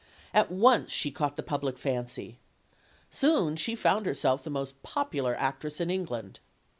At once she caught the public fancy. Soon she found herself the most popular actress in England.